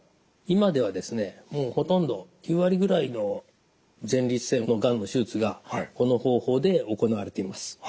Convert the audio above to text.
今ではですねもうほとんど９割ぐらいの前立腺のがんの手術がこの方法で行われています。